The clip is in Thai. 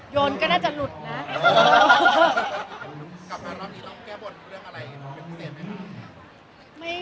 โยนก็น่าจะหลุดนะ